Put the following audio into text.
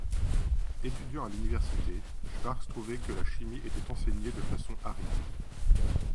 Étudiant à l'université, Schwarcz trouvait que la chimie était enseignée de façon aride.